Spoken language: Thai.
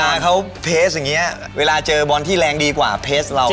เวลาเขาเพจอย่างนี้เวลาเจอบอลที่แรงดีกว่าเพจเรา